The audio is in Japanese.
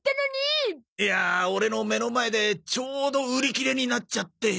いやオレの目の前でちょうど売り切れになっちゃって。